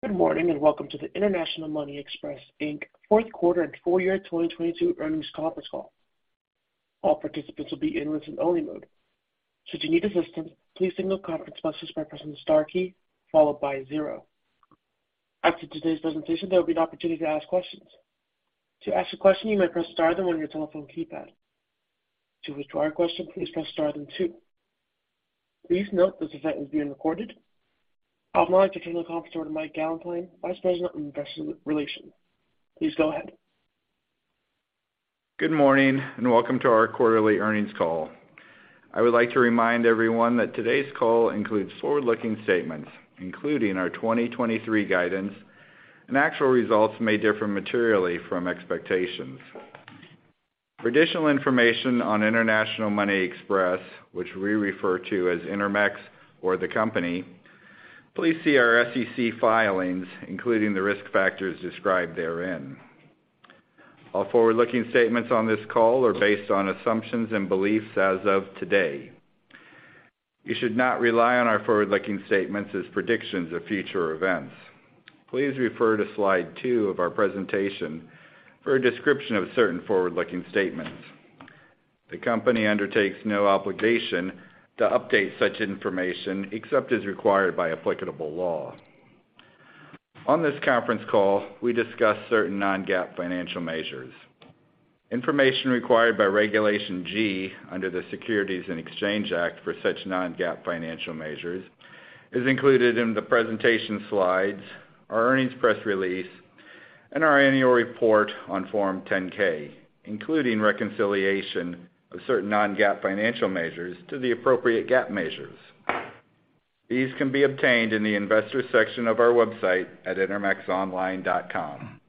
Good morning, welcome to the International Money Express Inc's fourth quarter and full year 2022 earnings conference call. All participants will be in listen only mode. Should you need assistance, please signal conference hostess by pressing the star key followed by zero. After today's presentation, there'll be an opportunity to ask questions. To ask a question, you may press star then one on your telephone keypad. To withdraw a question, please press star then two. Please note this event is being recorded. I would like to turn the conference over to Mike Gallentine, Vice President of Investor Relations. Please go ahead. Good morning and welcome to our quarterly earnings call. I would like to remind everyone that today's call includes forward-looking statements, including our 2023 guidance, and actual results may differ materially from expectations. For additional information on International Money Express, which we refer to as Intermex or the company, please see our SEC filings, including the risk factors described therein. All forward-looking statements on this call are based on assumptions and beliefs as of today. You should not rely on our forward-looking statements as predictions of future events. Please refer to slide two of our presentation for a description of certain forward-looking statements. The company undertakes no obligation to update such information, except as required by applicable law. On this conference call, we discuss certain non-GAAP financial measures. Information required by Regulation G under the Securities and Exchange Act for such non-GAAP financial measures is included in the presentation slides, our earnings press release, and our annual report on Form 10-K, including reconciliation of certain non-GAAP financial measures to the appropriate GAAP measures. These can be obtained in the investors section of our website at intermexonline.com.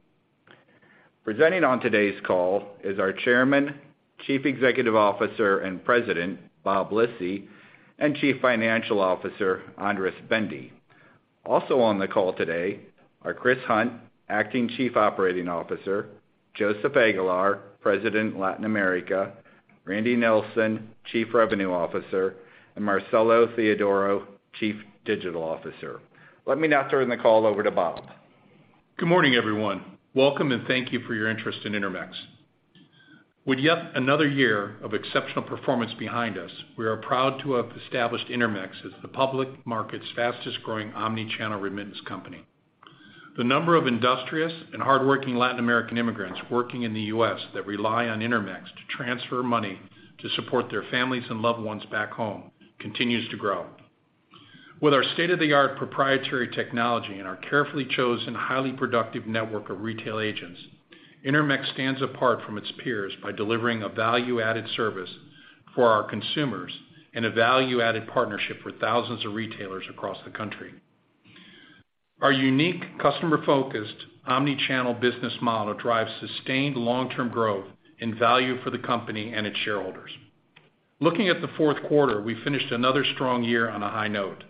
Presenting on today's call is our Chairman, Chief Executive Officer, and President, Bob Lisy, and Chief Financial Officer, Andras Bende. Also on the call today are Chris Hunt, Acting Chief Operating Officer, Joseph Aguilar, President, Latin America, Randy Nelson, Chief Revenue Officer, and Marcelo Theodoro, Chief Digital Officer. Let me now turn the call over to Bob. Good morning, everyone. Welcome and thank you for your interest in Intermex. With yet another year of exceptional performance behind us, we are proud to have established Intermex as the public market's fastest-growing omnichannel remittance company. The number of industrious and hardworking Latin American immigrants working in the U.S. that rely on Intermex to transfer money to support their families and loved ones back home continues to grow. With our state-of-the-art proprietary technology and our carefully chosen, highly productive network of retail agents, Intermex stands apart from its peers by delivering a value-added service for our consumers and a value-added partnership for thousands of retailers across the country. Our unique customer-focused omnichannel business model drives sustained long-term growth and value for the company and its shareholders. Looking at the fourth quarter, we finished another strong year on a high note.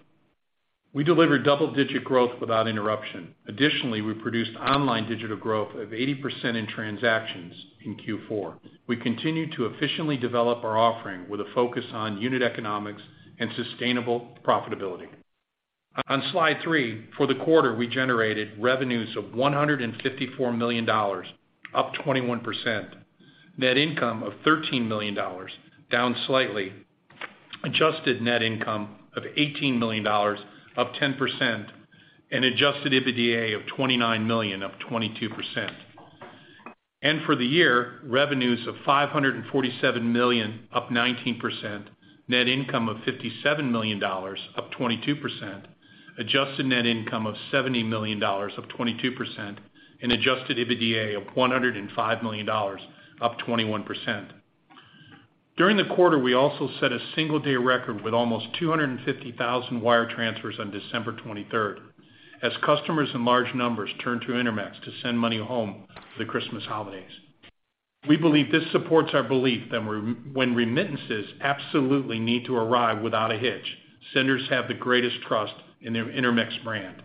We delivered double-digit growth without interruption. Additionally, we produced online digital growth of 80% in transactions in Q4. We continued to efficiently develop our offering with a focus on unit economics and sustainable profitability. On slide three, for the quarter, we generated revenues of $154 million, up 21%, net income of $13 million, down slightly, adjusted net income of $18 million, up 10%, and adjusted EBITDA of $29 million, up 22%. For the year, revenues of $547 million, up 19%, net income of $57 million, up 22%, adjusted net income of $70 million, up 22%, and adjusted EBITDA of $105 million, up 21%. During the quarter, we also set a single-day record with almost 250,000 wire transfers on December 23rd as customers in large numbers turned to Intermex to send money home for the Christmas holidays. We believe this supports our belief that when remittances absolutely need to arrive without a hitch, senders have the greatest trust in the Intermex brand.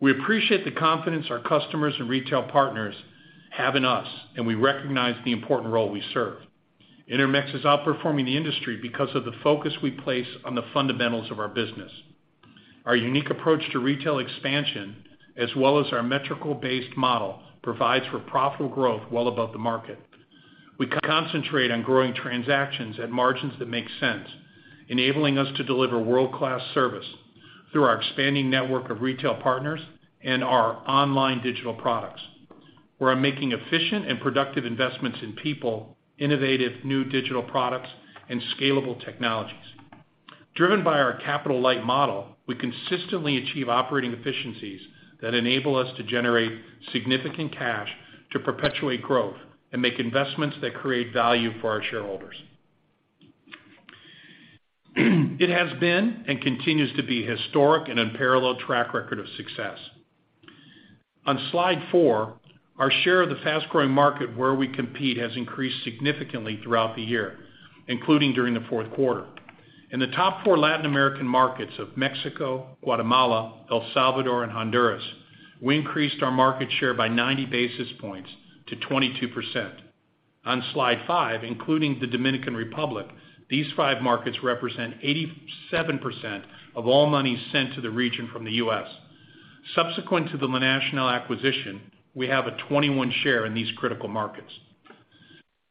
We appreciate the confidence our customers and retail partners have in us, and we recognize the important role we serve. Intermex is outperforming the industry because of the focus we place on the fundamentals of our business. Our unique approach to retail expansion, as well as our metrical-based model, provides for profitable growth well above the market. We concentrate on growing transactions at margins that make sense, enabling us to deliver world-class service through our expanding network of retail partners and our online digital products. We're making efficient and productive investments in people, innovative new digital products, and scalable technologies. Driven by our capital-light model, we consistently achieve operating efficiencies that enable us to generate significant cash to perpetuate growth and make investments that create value for our shareholders. It has been and continues to be historic and unparalleled track record of success. On slide four, our share of the fast-growing market where we compete has increased significantly throughout the year, including during the fourth quarter. In the top four Latin American markets of Mexico, Guatemala, El Salvador, and Honduras, we increased our market share by 90 basis points to 22%. On slide five, including the Dominican Republic, these five markets represent 87% of all money sent to the region from the U.S. Subsequent to the La Nacional acquisition, we have a 21 share in these critical markets.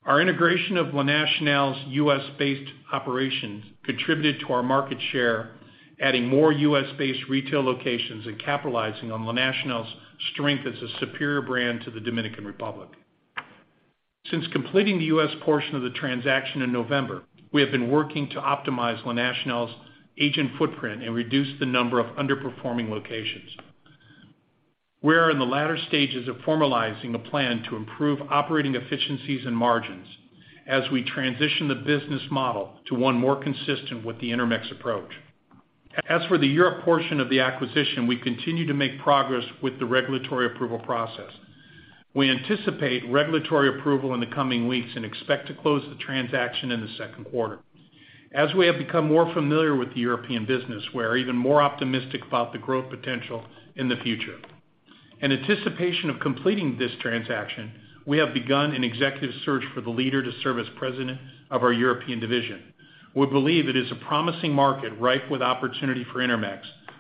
Our integration of La Nacional's U.S.-based operations contributed to our market share, adding more U.S.-based retail locations and capitalizing on La Nacional's strength as a superior brand to the Dominican Republic. Since completing the U.S. portion of the transaction in November, we have been working to optimize La Nacional's agent footprint and reduce the number of underperforming locations. We are in the latter stages of formalizing a plan to improve operating efficiencies and margins as we transition the business model to one more consistent with the Intermex approach. As for the Europe portion of the acquisition, we continue to make progress with the regulatory approval process. We anticipate regulatory approval in the coming weeks and expect to close the transaction in the second quarter. As we have become more familiar with the European business, we're even more optimistic about the growth potential in the future. In anticipation of completing this transaction, we have begun an executive search for the leader to serve as president of our European division. We believe it is a promising market ripe with opportunity for Intermex,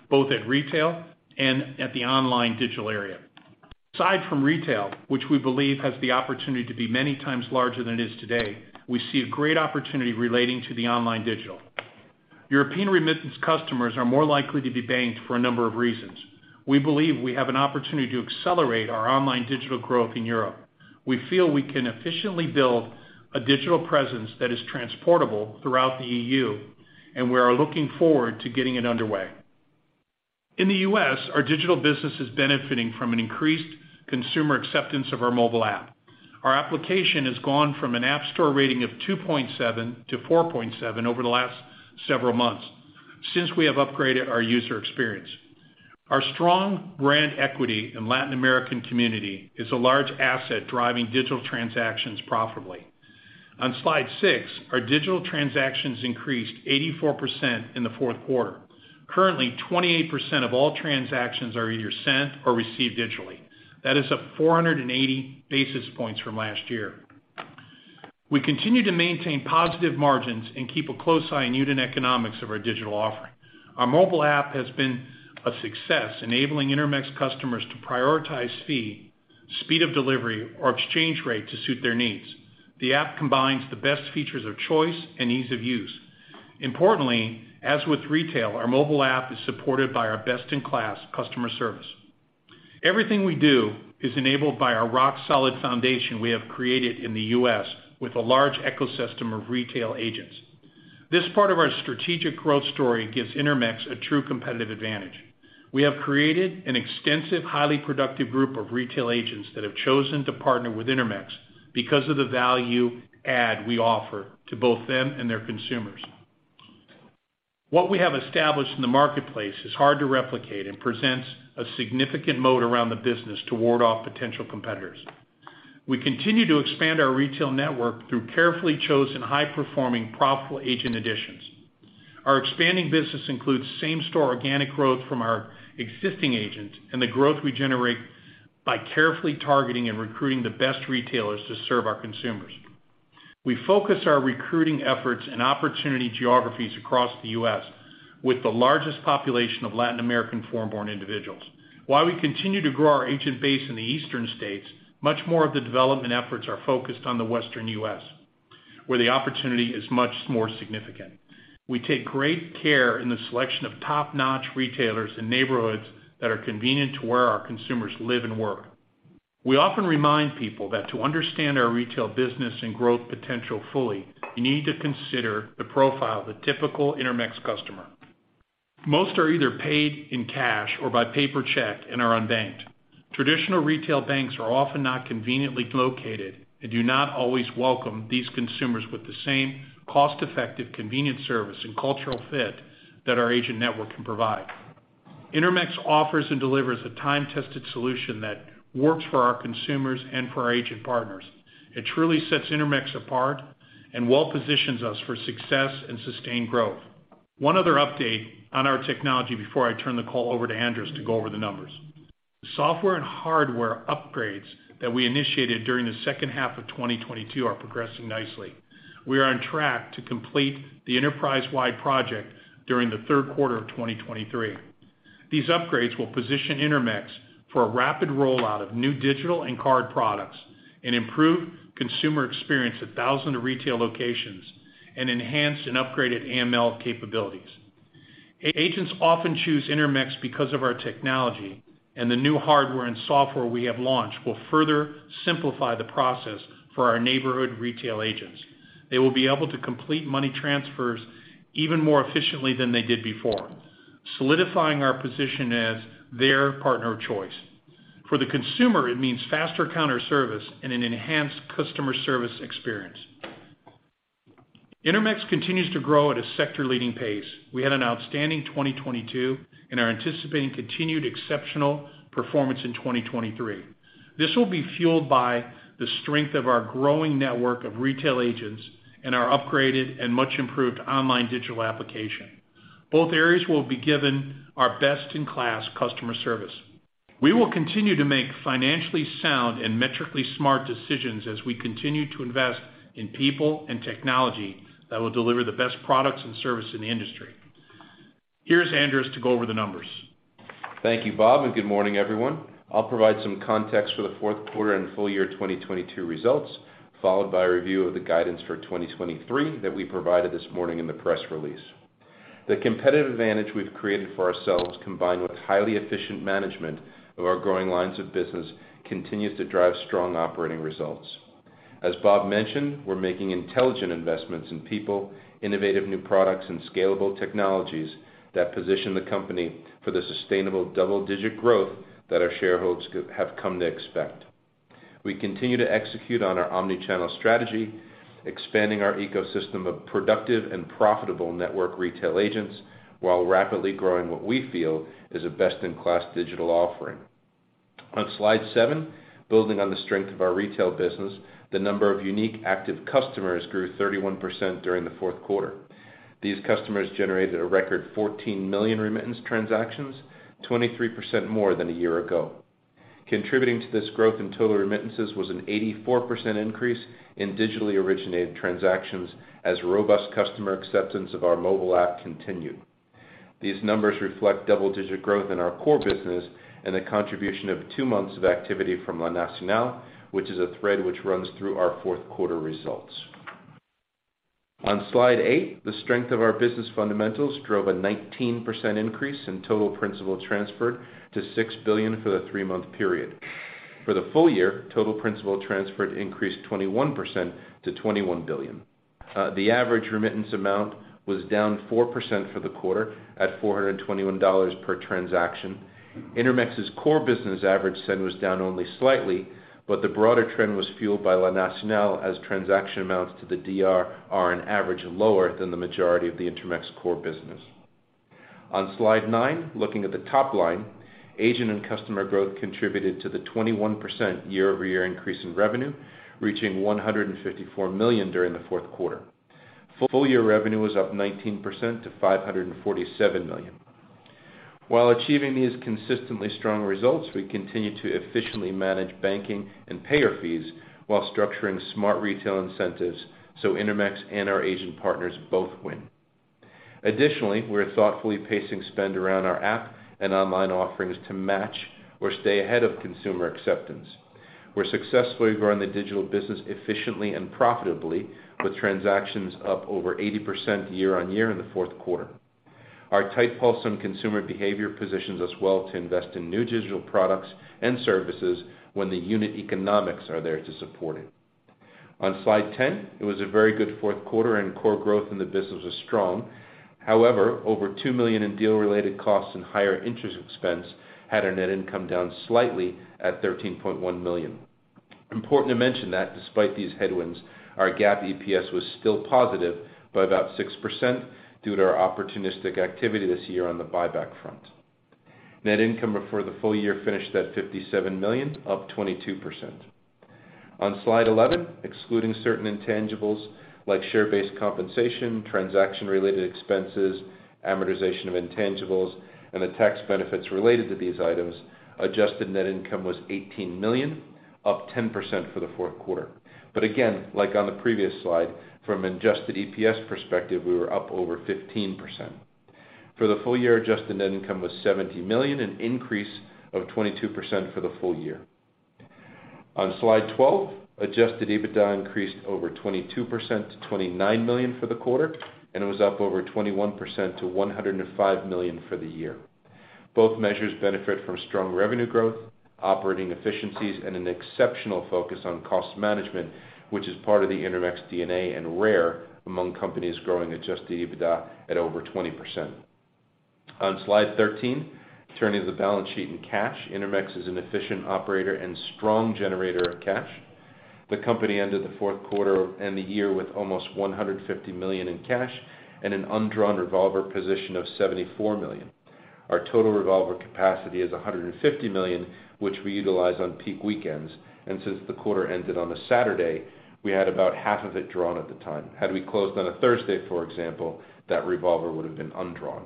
both at retail and at the online digital area. Aside from retail, which we believe has the opportunity to be many times larger than it is today, we see a great opportunity relating to the online digital. European remittance customers are more likely to be banked for a number of reasons. We believe we have an opportunity to accelerate our online digital growth in Europe. We feel we can efficiently build a digital presence that is transportable throughout the E.U., and we are looking forward to getting it underway. In the U.S., our digital business is benefiting from an increased consumer acceptance of our mobile app. Our application has gone from an App Store rating of 2.7 to 4.7 over the last several months since we have upgraded our user experience. Our strong brand equity in Latin American community is a large asset driving digital transactions profitably. On slide six, our digital transactions increased 84% in the fourth quarter. Currently, 28% of all transactions are either sent or received digitally. That is up 480 basis points from last year. We continue to maintain positive margins and keep a close eye on unit economics of our digital offering. Our mobile app has been a success, enabling Intermex customers to prioritize fee, speed of delivery, or exchange rate to suit their needs. The app combines the best features of choice and ease of use. Importantly, as with retail, our mobile app is supported by our best-in-class customer service. Everything we do is enabled by our rock-solid foundation we have created in the U.S. with a large ecosystem of retail agents. This part of our strategic growth story gives Intermex a true competitive advantage. We have created an extensive, highly productive group of retail agents that have chosen to partner with Intermex because of the value add we offer to both them and their consumers. What we have established in the marketplace is hard to replicate and presents a significant moat around the business to ward off potential competitors. We continue to expand our retail network through carefully chosen, high-performing, profitable agent additions. Our expanding business includes same-store organic growth from our existing agents and the growth we generate by carefully targeting and recruiting the best retailers to serve our consumers. We focus our recruiting efforts in opportunity geographies across the U.S. with the largest population of Latin American foreign-born individuals. While we continue to grow our agent base in the eastern states, much more of the development efforts are focused on the western U.S., where the opportunity is much more significant. We take great care in the selection of top-notch retailers in neighborhoods that are convenient to where our consumers live and work. We often remind people that to understand our retail business and growth potential fully, you need to consider the profile of a typical Intermex customer. Most are either paid in cash or by paper check and are unbanked. Traditional retail banks are often not conveniently located and do not always welcome these consumers with the same cost-effective, convenient service and cultural fit that our agent network can provide. Intermex offers and delivers a time-tested solution that works for our consumers and for our agent partners. It truly sets Intermex apart and well positions us for success and sustained growth. One other update on our technology before I turn the call over to Andres to go over the numbers. Software and hardware upgrades that we initiated during the second half of 2022 are progressing nicely. We are on track to complete the enterprise-wide project during the third quarter of 2023. These upgrades will position Intermex for a rapid rollout of new digital and card products, an improved consumer experience at thousands of retail locations, and enhanced and upgraded AML capabilities. Agents often choose Intermex because of our technology, and the new hardware and software we have launched will further simplify the process for our neighborhood retail agents. They will be able to complete money transfers even more efficiently than they did before, solidifying our position as their partner of choice. For the consumer, it means faster counter service and an enhanced customer service experience. Intermex continues to grow at a sector-leading pace. We had an outstanding 2022 and are anticipating continued exceptional performance in 2023. This will be fueled by the strength of our growing network of retail agents and our upgraded and much-improved online digital application. Both areas will be given our best-in-class customer service. We will continue to make financially sound and metrically smart decisions as we continue to invest in people and technology that will deliver the best products and service in the industry. Here's Andras to go over the numbers. Thank you, Bob. Good morning, everyone. I'll provide some context for the fourth quarter and full year 2022 results, followed by a review of the guidance for 2023 that we provided this morning in the press release. The competitive advantage we've created for ourselves, combined with highly efficient management of our growing lines of business, continues to drive strong operating results. As Bob mentioned, we're making intelligent investments in people, innovative new products, and scalable technologies that position the company for the sustainable double-digit growth that our shareholders have come to expect. We continue to execute on our omnichannel strategy, expanding our ecosystem of productive and profitable network retail agents, while rapidly growing what we feel is a best-in-class digital offering. On slide seven, building on the strength of our retail business, the number of unique active customers grew 31% during the fourth quarter. These customers generated a record 14 million remittance transactions, 23% more than a year ago. Contributing to this growth in total remittances was an 84% increase in digitally originated transactions as robust customer acceptance of our mobile app continued. These numbers reflect double-digit growth in our core business and the contribution of two months of activity from La Nacional, which is a thread which runs through our fourth quarter results. On slide eight, the strength of our business fundamentals drove a 19% increase in total principal transferred to $6 billion for the three-month period. For the full year, total principal transferred increased 21% to $21 billion. The average remittance amount was down 4% for the quarter at $421 per transaction. Intermex's core business average send was down only slightly, but the broader trend was fueled by La Nacional as transaction amounts to the DR are on average lower than the majority of the Intermex core business. On slide nins, looking at the top line, agent and customer growth contributed to the 21% year-over-year increase in revenue, reaching $154 million during the fourth quarter. Full year revenue was up 19% to $547 million. While achieving these consistently strong results, we continue to efficiently manage banking and payer fees while structuring smart retail incentives so Intermex and our agent partners both win. We're thoughtfully pacing spend around our app and online offerings to match or stay ahead of consumer acceptance. We're successfully growing the digital business efficiently and profitably with transactions up over 80% year-on-year in the fourth quarter. Our tight pulse on consumer behavior positions us well to invest in new digital products and services when the unit economics are there to support it. On slide 10, it was a very good fourth quarter and core growth in the business was strong. However, over $2 million in deal-related costs and higher interest expense had our net income down slightly at $13.1 million. Important to mention that despite these headwinds, our GAAP EPS was still positive by about 6% due to our opportunistic activity this year on the buyback front. Net income for the full year finished at $57 million, up 22%. On slide 11, excluding certain intangibles like share-based compensation, transaction-related expenses, amortization of intangibles, and the tax benefits related to these items, adjusted net income was $18 million, up 10% for the fourth quarter. Again, like on the previous slide, from an adjusted EPS perspective, we were up over 15%. For the full year, adjusted net income was $70 million, an increase of 22% for the full year. On slide 12, adjusted EBITDA increased over 22% to $29 million for the quarter, and it was up over 21% to $105 million for the year. Both measures benefit from strong revenue growth, operating efficiencies, and an exceptional focus on cost management, which is part of the Intermex DNA and rare among companies growing adjusted EBITDA at over 20%. On slide 13, turning to the balance sheet and cash, Intermex is an efficient operator and strong generator of cash. The company ended the fourth quarter and the year with almost $150 million in cash and an undrawn revolver position of $74 million. Our total revolver capacity is $150 million, which we utilize on peak weekends, and since the quarter ended on a Saturday, we had about half of it drawn at the time. Had we closed on a Thursday, for example, that revolver would have been undrawn.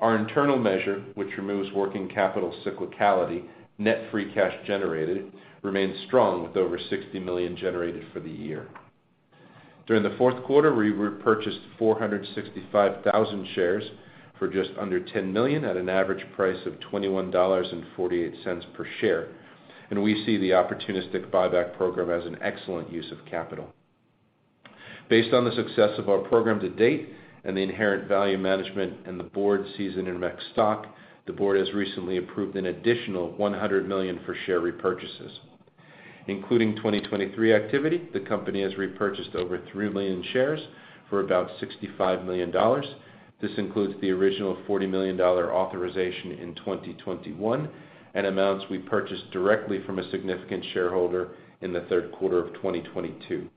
Our internal measure, which removes working capital cyclicality, net free cash generated, remains strong with over $60 million generated for the year. During the fourth quarter, we repurchased 465,000 shares for just under $10 million at an average price of $21.48 per share, and we see the opportunistic buyback program as an excellent use of capital. Based on the success of our program to date and the inherent value management and the board sees in Intermex stock, the board has recently approved an additional $100 million for share repurchases. Including 2023 activity, the company has repurchased over 3 million shares for about $65 million. This includes the original $40 million authorization in 2021 and amounts we purchased directly from a significant shareholder in the third quarter of 2022.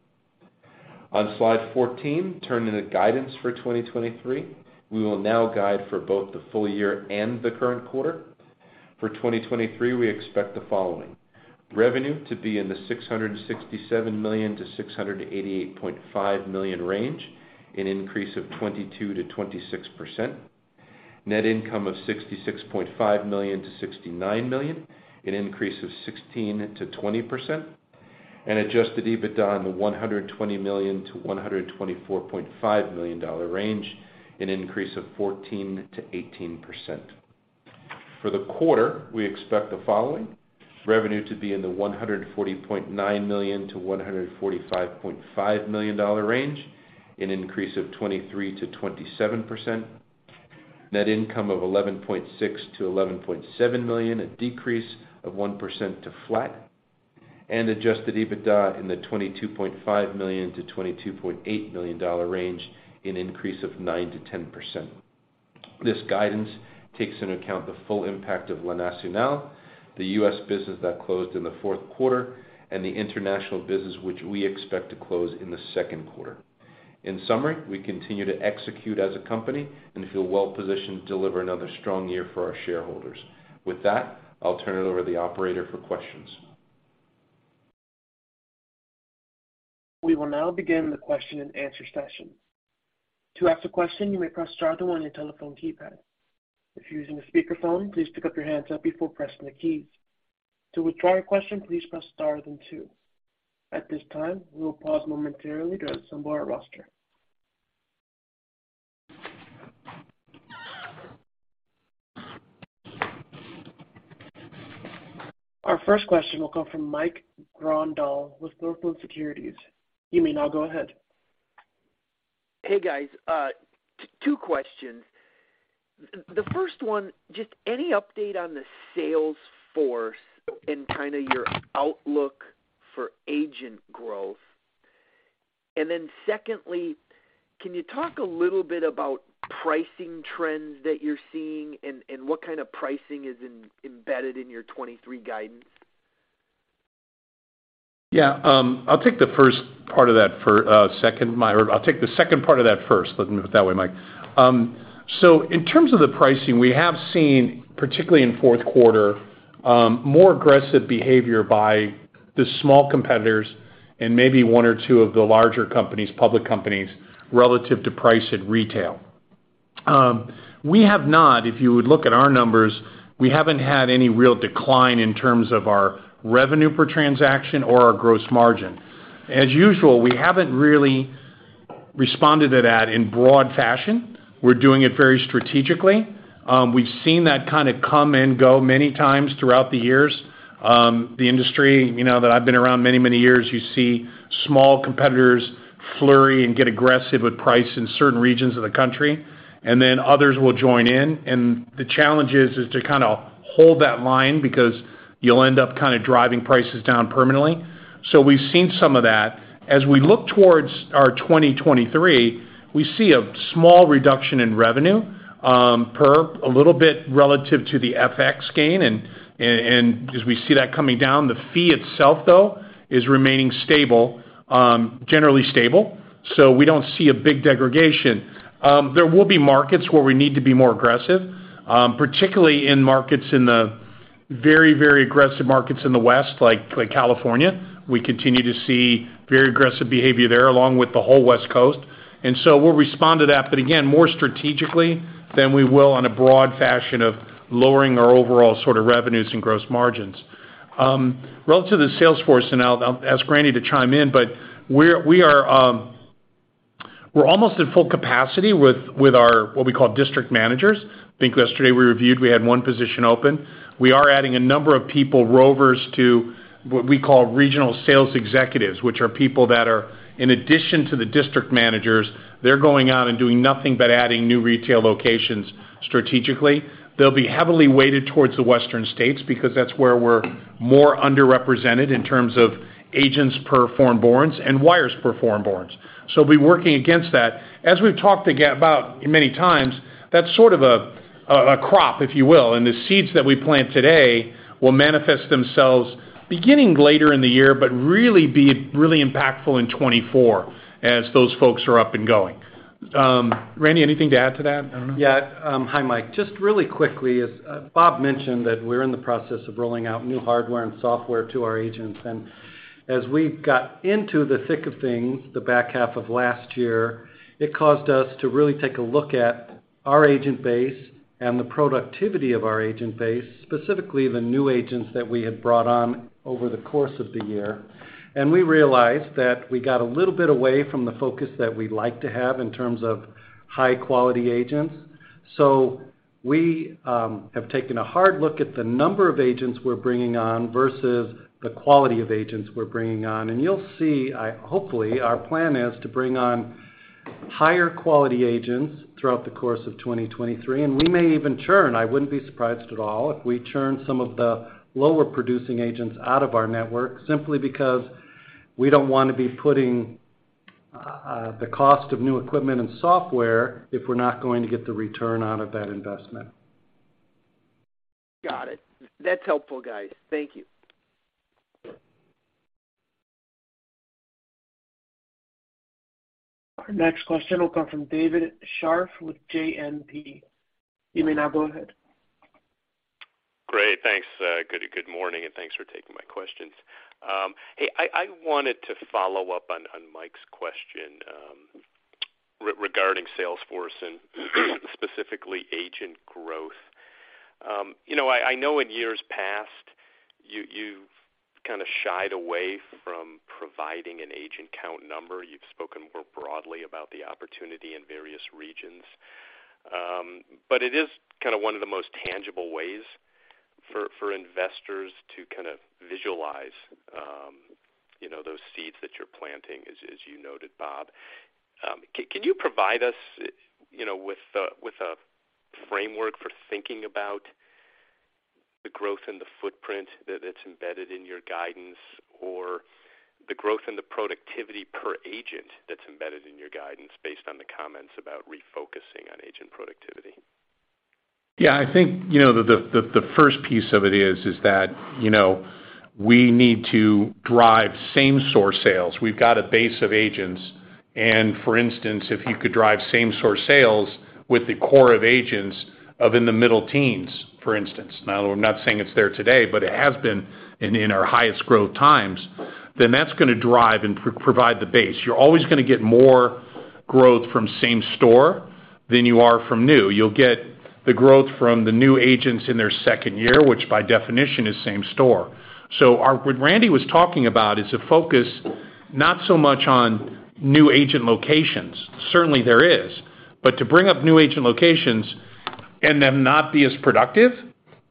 On slide 14, turning to guidance for 2023. We will now guide for both the full year and the current quarter. For 2023, we expect the following: revenue to be in the $667 million-$688.5 million range, an increase of 22%-26%. Net income of $66.5 million-$69 million, an increase of 16%-20%, and adjusted EBITDA in the $120 million-$124.5 million range, an increase of 14%-18%. For the quarter, we expect the following: revenue to be in the $140.9 million-$145.5 million range, an increase of 23%-27%. Net income of $11.6 million-$11.7 million, a decrease of 1% to flat. Adjusted EBITDA in the $22.5 million-$22.8 million range, an increase of 9%-10%. This guidance takes into account the full impact of La Nacional, the U.S. business that closed in the 4th quarter, and the international business, which we expect to close in the second quarter. In summary, we continue to execute as a company and feel well-positioned to deliver another strong year for our shareholders. With that, I'll turn it over to the operator for questions. We will now begin the question-and-answer session. To ask a question, you may press star two on your telephone keypad. If you're using a speakerphone, please pick up your handset before pressing the keys. To withdraw your question, please press star then two. At this time, we will pause momentarily to assemble our roster. Our first question will come from Mike Grondahl with Northland Securities. You may now go ahead. Hey, guys. Two questions. The first one, just any update on the sales force and kinda your outlook for agent growth. Secondly, can you talk a little bit about pricing trends that you're seeing and what kind of pricing is embedded in your 2023 guidance? Yeah. I'll take the first part of that for, second, Mike. I'll take the second part of that first. Let me put it that way, Mike. In terms of the pricing, we have seen, particularly in fourth quarter, more aggressive behavior by the small competitors and maybe one or two of the larger companies, public companies, relative to price at retail. We have not, if you would look at our numbers, we haven't had any real decline in terms of our revenue per transaction or our gross margin. As usual, we haven't really responded to that in broad fashion. We're doing it very strategically. We've seen that kinda come and go many times throughout the years. The industry, you know, that I've been around many, many years, you see small competitors flurry and get aggressive with price in certain regions of the country, and then others will join in. The challenge is to kinda hold that line because you'll end up kinda driving prices down permanently. We've seen some of that. As we look towards our 2023, we see a small reduction in revenue, per a little bit relative to the FX gain. As we see that coming down, the fee itself, though, is remaining stable, generally stable. We don't see a big degradation. There will be markets where we need to be more aggressive, particularly in markets in the very, very aggressive markets in the West, like California. We continue to see very aggressive behavior there along with the whole West Coast. We'll respond to that, but again, more strategically than we will on a broad fashion of lowering our overall sort of revenues and gross margins. Relative to the sales force, and I'll ask Randy to chime in, but we're, we are, we're almost at full capacity with our what we call district managers. I think yesterday we reviewed, we had one position open. We are adding a number of people, rovers, to what we call regional sales executives, which are people that are, in addition to the district managers, they're going out and doing nothing but adding new retail locations strategically. They'll be heavily weighted towards the western states because that's where we're more underrepresented in terms of agents per formboards and wires per formboards. We're working against that. As we've talked again, about many times, that's sort of a crop, if you will, and the seeds that we plant today will manifest themselves beginning later in the year, really be really impactful in 2024 as those folks are up and going. Randy, anything to add to that? I don't know. Yeah. Hi, Mike. Just really quickly, as Bob mentioned that we're in the process of rolling out new hardware and software to our agents. As we got into the thick of things, the back half of last year, it caused us to really take a look at our agent base and the productivity of our agent base, specifically the new agents that we had brought on over the course of the year. We realized that we got a little bit away from the focus that we like to have in terms of high-quality agents. We have taken a hard look at the number of agents we're bringing on versus the quality of agents we're bringing on. You'll see, hopefully, our plan is to bring on higher quality agents throughout the course of 2023, and we may even churn. I wouldn't be surprised at all if we churn some of the lower producing agents out of our network simply because we don't wanna be putting, the cost of new equipment and software if we're not going to get the return out of that investment. Got it. That's helpful, guys. Thank you. Our next question will come from David Scharf with JMP Securities. You may now go ahead. Great, thanks. Good morning, and thanks for taking my questions. Hey, I wanted to follow up on Mike's question, regarding Salesforce and specifically agent growth. You know, I know in years past, you've kinda shied away from providing an agent count number. You've spoken more broadly about the opportunity in various regions. It is kinda one of the most tangible ways for investors to kind of visualize, you know, those seeds that you're planting, as you noted, Bob. Can you provide us, you know, with a framework for thinking about the growth and the footprint that it's embedded in your guidance or the growth and the productivity per agent that's embedded in your guidance based on the comments about refocusing on agent productivity? Yeah, I think, you know, the first piece of it is that, you know, we need to drive same store sales. We've got a base of agents. For instance, if you could drive same store sales with the core of agents of in the middle teens, for instance. Now, I'm not saying it's there today, but it has been in our highest growth times, then that's gonna drive and provide the base. You're always gonna get more growth from same store than you are from new. You'll get the growth from the new agents in their second year, which by definition is same store. What Randy was talking about is a focus, not so much on new agent locations. Certainly, there is. To bring up new agent locations and them not be as productive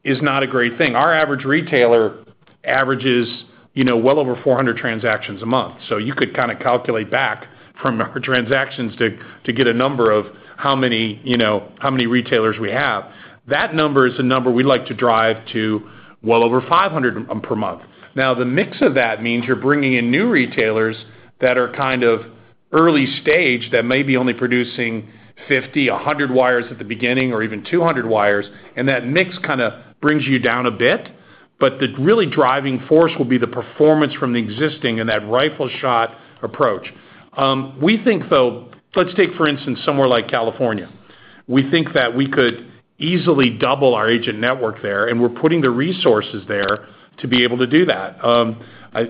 is not a great thing. Our average retailer averages, you know, well over 400 transactions a month. You could kinda calculate back from our transactions to get a number of how many, you know, how many retailers we have. That number is a number we like to drive to well over 500 per month. The mix of that means you're bringing in new retailers that are kind of early stage that may be only producing 50, 100 wires at the beginning, or even 200 wires, and that mix kinda brings you down a bit. The really driving force will be the performance from the existing and that rifle shot approach. We think, though, let's take, for instance, somewhere like California. We think that we could easily double our agent network there, and we're putting the resources there to be able to do that.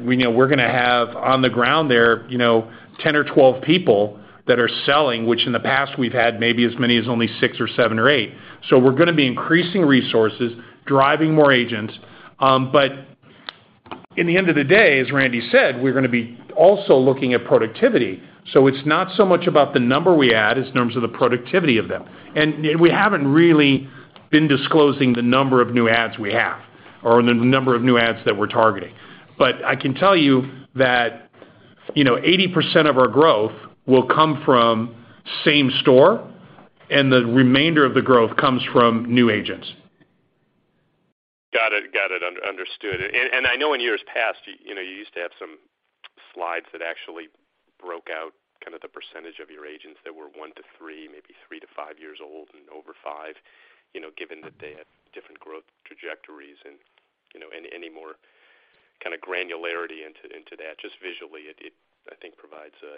We know we're gonna have on the ground there, you know, 10 or 12 people that are selling, which in the past we've had maybe as many as only six or seven or eight. We're gonna be increasing resources, driving more agents. In the end of the day, as Randy said, we're gonna be also looking at productivity. It's not so much about the number we add as terms of the productivity of them. We haven't really been disclosing the number of new adds we have or the number of new adds that we're targeting. I can tell you that, you know, 80% of our growth will come from same store, and the remainder of the growth comes from new agents. Got it. Got it. understood. I know in years past, you know, you used to have some slides that actually broke out kind of the percentage of your agents that were one to three, maybe three to five years old and over five, you know, given that they had different growth trajectories and, you know, any more kinda granularity into that. Just visually, it, I think, provides a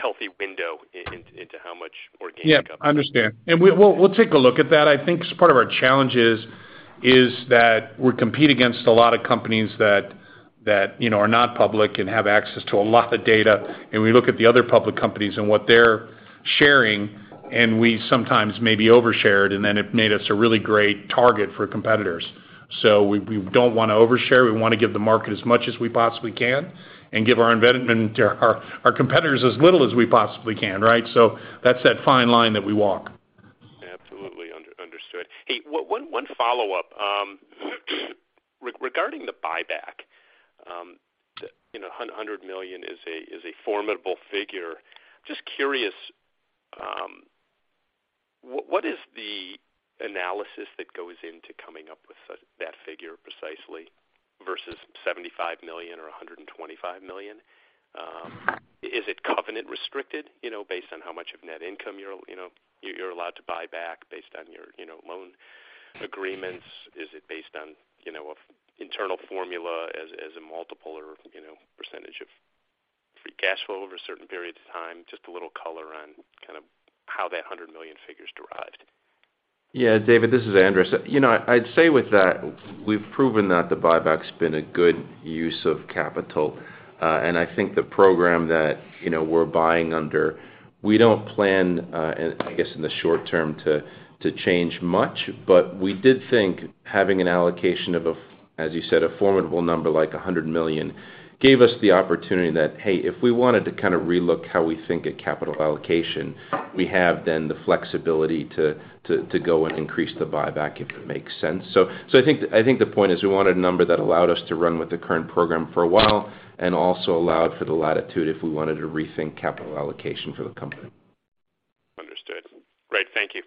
healthy window into how much organic... Yeah, understand. We'll take a look at that. I think part of our challenge is that we compete against a lot of companies that, you know, are not public and have access to a lot of data. We look at the other public companies and what they're sharing, and we sometimes maybe over-shared, and then it made us a really great target for competitors. We don't wanna overshare. We wanna give the market as much as we possibly can and give our competitors as little as we possibly can, right? That's that fine line that we walk. Absolutely. Under-understood. Hey, one follow-up. Regarding the buyback, you know, $100 million is a formidable figure. Just curious, what is the analysis that goes into coming up with that figure precisely versus $75 million or $125 million? Is it covenant restricted, you know, based on how much of net income you're, you know, you're allowed to buy back based on your, you know, loan agreements? Is it based on, you know, an internal formula as a multiple or, you know, percentage of free cash flow over certain periods of time? Just a little color on kind of how that $100 million figure is derived. Yeah, David, this is Andras. You know, I'd say with that, we've proven that the buyback's been a good use of capital. I think the program that, you know, we're buying under, we don't plan, I guess in the short term to change much, but we did think having an allocation of a, as you said, a formidable number, like $100 million, gave us the opportunity that, hey, if we wanted to kinda relook how we think of capital allocation, we have then the flexibility to go and increase the buyback if it makes sense. I think the point is we want a number that allowed us to run with the current program for a while and also allowed for the latitude if we wanted to rethink capital allocation for the company. Understood. Great. Thank you.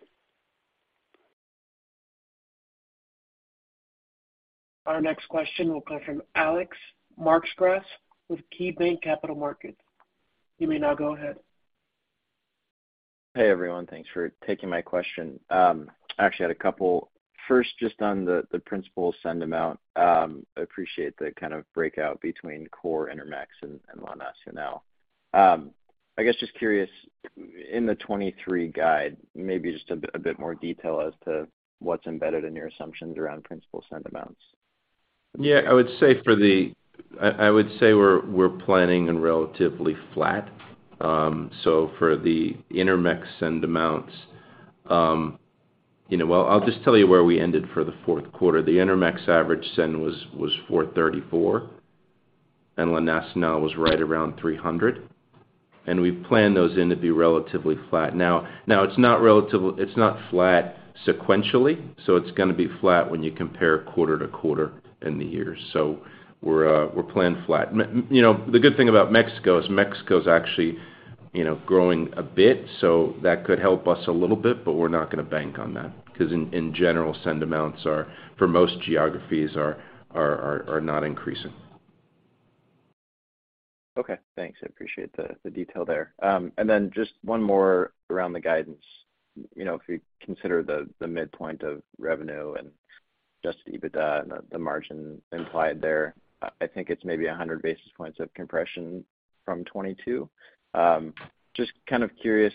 Our next question will come from Alexander Markgraf with KeyBanc Capital Markets. You may now go ahead. Hey, everyone. Thanks for taking my question. I actually had a couple. First, just on the principal send amount, I appreciate the kind of breakout between core Intermex and La Nacional. I guess just curious, in the 2023 guide, maybe just a bit more detail as to what's embedded in your assumptions around principal send amounts. I would say for the... I would say we're planning in relatively flat. For the Intermex send amounts, you know, well, I'll just tell you where we ended for the fourth quarter. The Intermex average send was $434, and La Nacional was right around $300, and we plan those in to be relatively flat. Now, it's not relative-- it's not flat sequentially, so it's gonna be flat when you compare quarter-to-quarter in the year. We're planning flat. You know, the good thing about Mexico is Mexico's actually, you know, growing a bit, so that could help us a little bit, but we're not gonna bank on that because in general, send amounts are, for most geographies are not increasing. Okay. Thanks. I appreciate the detail there. Then just one more around the guidance. You know, if you consider the midpoint of revenue and adjusted EBITDA and the margin implied there, I think it's maybe 100 basis points of compression from 2022. Just kind of curious,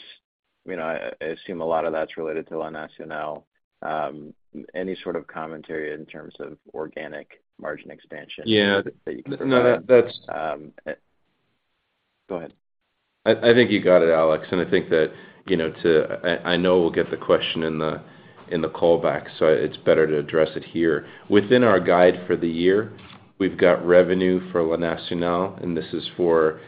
you know, I assume a lot of that's related to La Nacional. Any sort of commentary in terms of organic margin expansion- Yeah ...that you can provide? No, that. Go ahead. I think you got it, Alex. I think that, you know, I know we'll get the question in the callback. It's better to address it here. Within our guide for the year, we've got revenue for La Nacional. This is for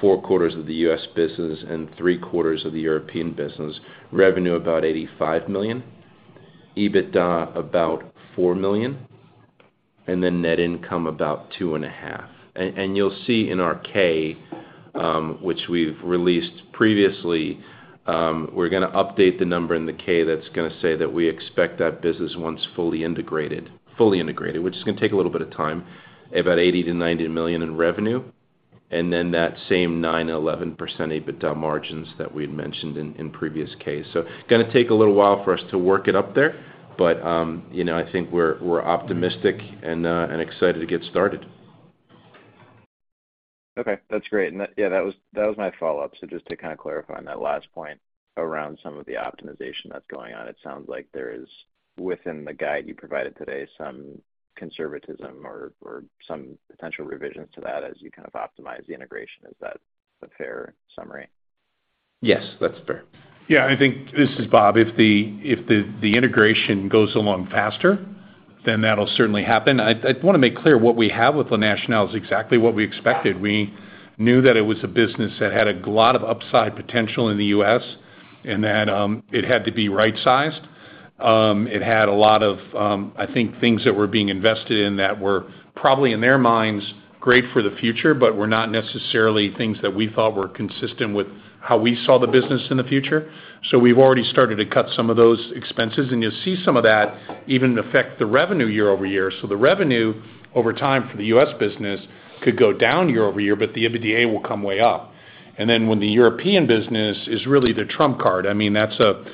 four quarters of the U.S. business and three quarters of the European business. Revenue about $85 million, EBITDA about $4 million. Net income about $2.5. You'll see in our K, which we've released previously, we're going to update the number in the K that's going to say that we expect that business, once fully integrated, which is going to take a little bit of time, about $80 million-$90 million in revenue. That same 9%-11% EBITDA margins that we'd mentioned in previous Ks. Gonna take a little while for us to work it up there, but, you know, I think we're optimistic and excited to get started. Okay. That's great. That, yeah, that was, that was my follow-up. Just to kinda clarify on that last point around some of the optimization that's going on, it sounds like there is, within the guide you provided today, some conservatism or some potential revisions to that as you kind of optimize the integration. Is that a fair summary? Yes, that's fair. Yeah. I think, this is Bob, if the integration goes along faster, then that'll certainly happen. I wanna make clear what we have with La Nacional is exactly what we expected. We knew that it was a business that had a lot of upside potential in the U.S. and that it had to be right-sized. It had a lot of, I think, things that were being invested in that were probably, in their minds, great for the future, but were not necessarily things that we thought were consistent with how we saw the business in the future. We've already started to cut some of those expenses, and you'll see some of that even affect the revenue year-over-year. The revenue over time for the U.S. business could go down year-over-year, but the EBITDA will come way up. When the European business is really the trump card, I mean, that's a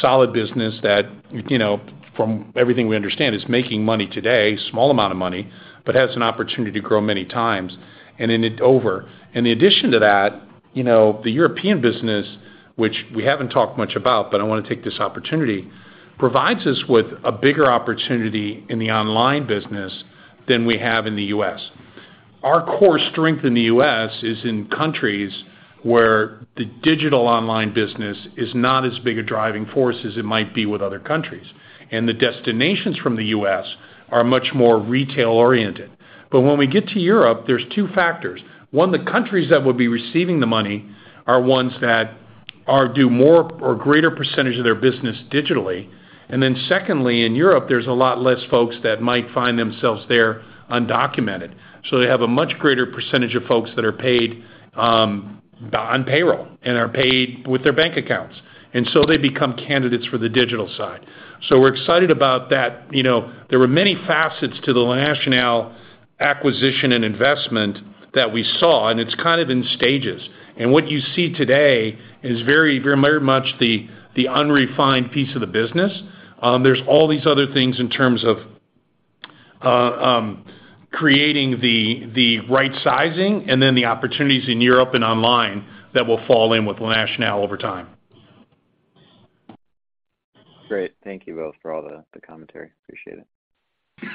solid business that, you know, from everything we understand, is making money today, small amount of money, but has an opportunity to grow many times and in it over. In addition to that, you know, the European business, which we haven't talked much about, but I wanna take this opportunity, provides us with a bigger opportunity in the online business than we have in the U.S. Our core strength in the U.S. is in countries where the digital online business is not as big a driving force as it might be with other countries, and the destinations from the U.S. are much more retail-oriented. When we get to Europe, there's two factors. One, the countries that would be receiving the money are ones that are due more or greater percentage of their business digitally. Secondly, in Europe, there's a lot less folks that might find themselves there undocumented. They have a much greater percentage of folks that are paid on payroll and are paid with their bank accounts, and so they become candidates for the digital side. We're excited about that. You know, there were many facets to the La Nacional acquisition and investment that we saw, and it's kind of in stages. What you see today is very, very, very much the unrefined piece of the business. There's all these other things in terms of creating the right sizing and then the opportunities in Europe and online that will fall in with La Nacional over time. Great. Thank you both for all the commentary. Appreciate it.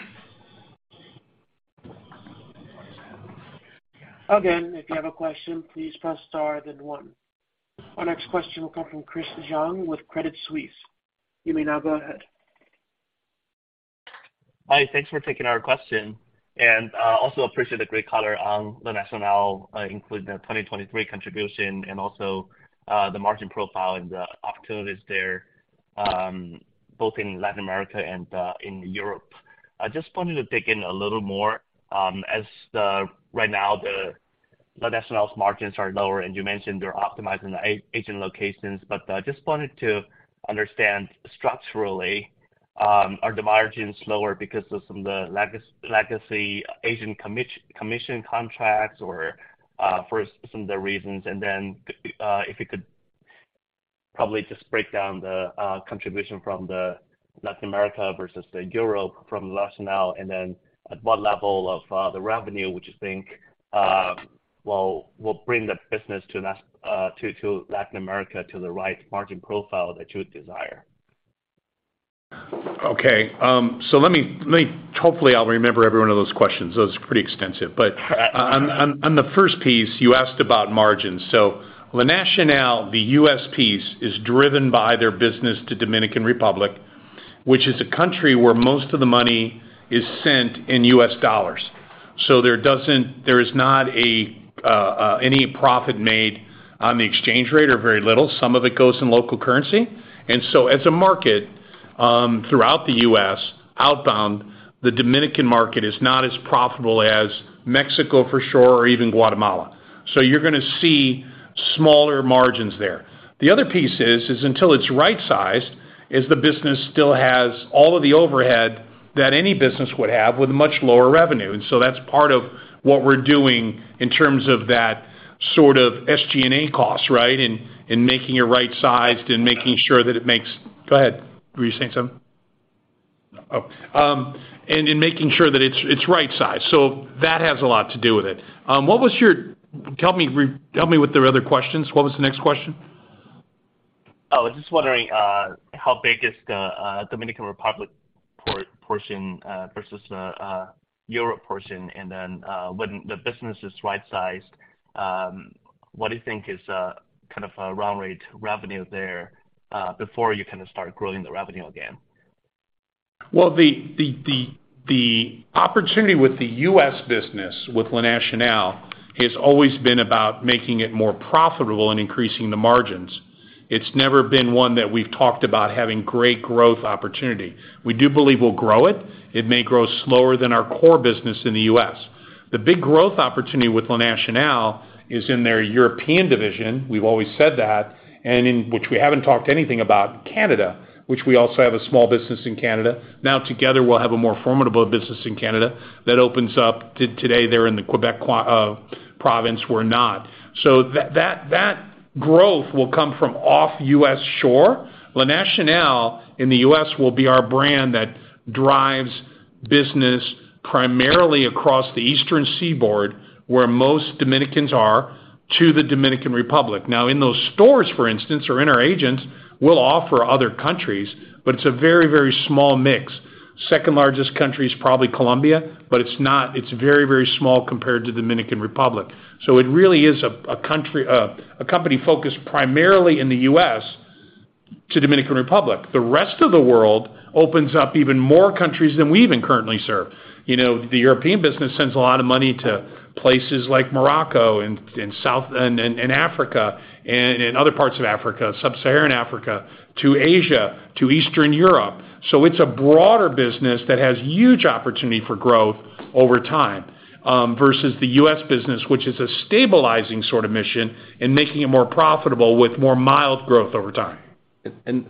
If you have a question, please press star then one. Our next question will come from Christopher Brendler with Credit Suisse. You may now go ahead. Hi. Thanks for taking our question. Also appreciate the great color on La Nacional, including the 2023 contribution and also the margin profile and the opportunities there, both in Latin America and in Europe. I just wanted to dig in a little more, as right now the La Nacional's margins are lower, and you mentioned they're optimizing the agent locations. I just wanted to understand structurally. Are the margins lower because of some of the legacy agent commission contracts or for some of the reasons? If you could probably just break down the contribution from the Latin America versus the Europe from La Nacional, and then at what level of the revenue would you think, will bring the business to Nas-- to Latin America to the right margin profile that you would desire? Okay. Hopefully I'll remember every one of those questions. Those was pretty extensive. On the first piece you asked about margins. La Nacional, the U.S. piece, is driven by their business to Dominican Republic, which is a country where most of the money is sent in U.S. dollars. There is not any profit made on the exchange rate or very little. Some of it goes in local currency. As a market, throughout the U.S. outbound, the Dominican market is not as profitable as Mexico for sure, or even Guatemala. You're gonna see smaller margins there. The other piece is until it's right-sized, the business still has all of the overhead that any business would have with much lower revenue. That's part of what we're doing in terms of that sort of SG&A cost, right? In making it right-sized and making sure that it makes. Go ahead. Were you saying something? In making sure that it's right-sized. That has a lot to do with it. What was your... Help me with their other questions. What was the next question? Oh, I was just wondering, how big is the Dominican Republic portion versus the Europe portion? When the business is right-sized, what do you think is kind of a run rate revenue there, before you kinda start growing the revenue again? Well, the opportunity with the U.S. business with La Nacional has always been about making it more profitable and increasing the margins. It's never been one that we've talked about having great growth opportunity. We do believe we'll grow it. It may grow slower than our core business in the U.S. The big growth opportunity with La Nacional is in their European division, we've always said that, in which we haven't talked anything about Canada, which we also have a small business in Canada. Together, we'll have a more formidable business in Canada that opens up to today they're in the Quebec province. We're not. That growth will come from off U.S. shore. La Nacional in the U.S. will be our brand that drives business primarily across the Eastern Seaboard, where most Dominicans are, to the Dominican Republic. In those stores, for instance, or in our agents, we'll offer other countries, but it's a very, very small mix. Second-largest country is probably Colombia, but it's not. It's very, very small compared to Dominican Republic. It really is a company focused primarily in the U.S. to Dominican Republic. The rest of the world opens up even more countries than we even currently serve. You know, the European business sends a lot of money to places like Morocco and South and Africa, and in other parts of Africa, Sub-Saharan Africa, to Asia, to Eastern Europe. It's a broader business that has huge opportunity for growth over time, versus the U.S. business, which is a stabilizing sort of mission in making it more profitable with more mild growth over time.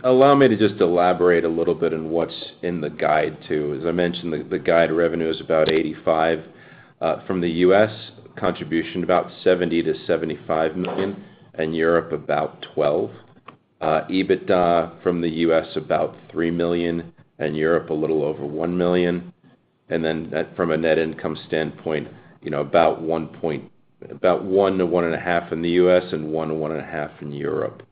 allow me to just elaborate a little bit on what's in the guide, too. As I mentioned, the guide revenue is about $85 million from the U.S. contribution, about $70 million-$75 million, and Europe about $12 million. EBITDA from the U.S. about $3 million, and Europe a little over $1 million. from a net income standpoint, you know, about $1 million-$1.5 million in the U.S. and $1 million-$1.5 million in Europe.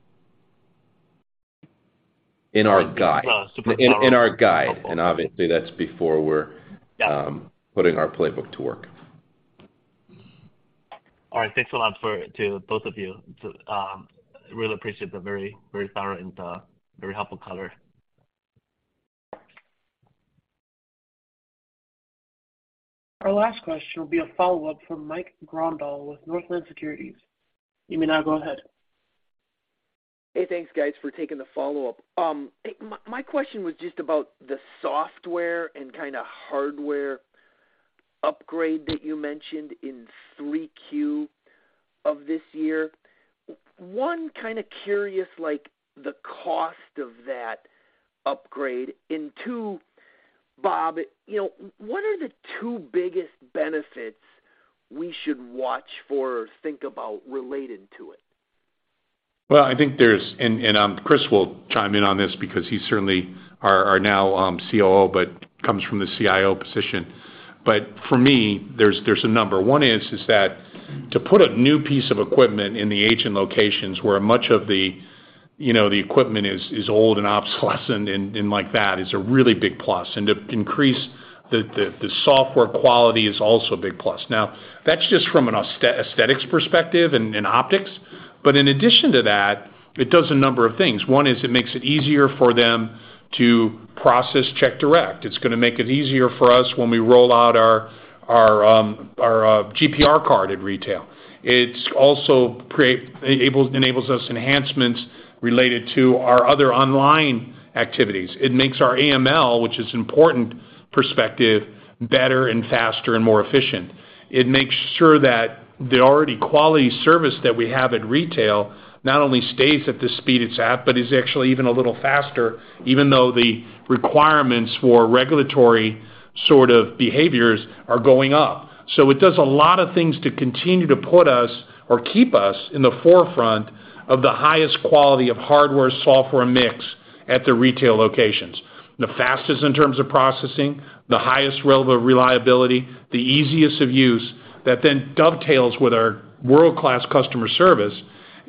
In our guide. Super thorough and helpful. In our guide. obviously that's before we're- Yeah. Putting our playbook to work. All right. Thanks a lot to both of you. Really appreciate the very, very thorough and, very helpful color. Our last question will be a follow-up from Mike Grondahl with Northland Securities. You may now go ahead. Hey, thanks guys, for taking the follow-up. My question was just about the software and kinda hardware upgrade that you mentioned in 3Q of this year. One, kinda curious, like the cost of that upgrade. Two, Bob, you know, what are the two biggest benefits we should watch for or think about related to it? I think there's. Chris will chime in on this because he's certainly our now, COO, but comes from the CIO position. For me, there's a number. One is that to put a new piece of equipment in the agent locations where much of the, you know, the equipment is old and obsolescent and like that is a really big plus, and to increase the software quality is also a big plus. Now, that's just from an aesthetics perspective and optics. In addition to that, it does a number of things. One is it makes it easier for them to process Check Direct. It's gonna make it easier for us when we roll out our GPR card at retail. It's also enables us enhancements related to our other online activities. It makes our AML, which is important perspective, better and faster and more efficient. It makes sure that the already quality service that we have at retail not only stays at the speed it's at, but is actually even a little faster, even though the requirements for regulatory sort of behaviors are going up. It does a lot of things to continue to put us or keep us in the forefront of the highest quality of hardware, software mix at the retail locations. The fastest in terms of processing, the highest level of reliability, the easiest of use that then dovetails with our world-class customer service,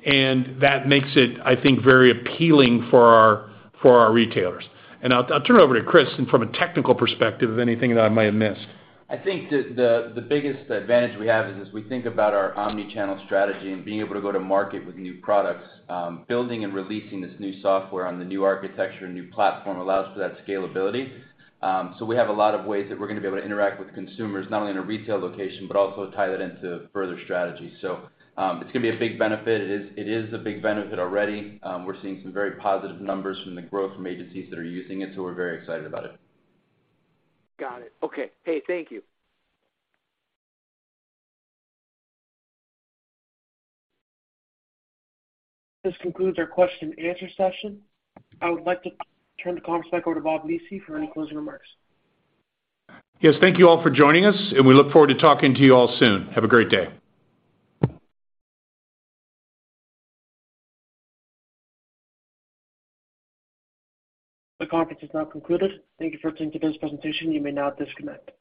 and that makes it, I think, very appealing for our, for our retailers. I'll turn it over to Chris from a technical perspective of anything that I might have missed. I think the biggest advantage we have is as we think about our omnichannel strategy and being able to go to market with new products, building and releasing this new software on the new architecture and new platform allows for that scalability. We have a lot of ways that we're gonna be able to interact with consumers, not only in a retail location, but also tie that into further strategy. It's gonna be a big benefit. It is a big benefit already. We're seeing some very positive numbers from the growth from agencies that are using it, we're very excited about it. Got it. Okay. Hey, thank you. This concludes our question-and-answer session. I would like to turn the conference back over to Bob Lisy for any closing remarks. Yes, thank you all for joining us, and we look forward to talking to you all soon. Have a great day. The conference is now concluded. Thank You for attending today's presentation. You may now disconnect.